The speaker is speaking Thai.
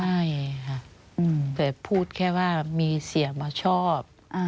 ใช่ค่ะแต่พูดแค่ว่ามีเสียมาชอบ